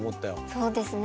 そうですね。